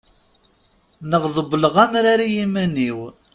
Neɣ ṭṭewwileɣ amrar i yiman-iw.